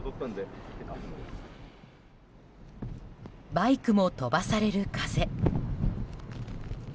バイクも飛ばされる風。